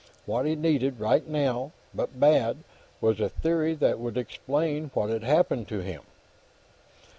What he needed, right now, but bad, was a theory that would explain what had happened to him.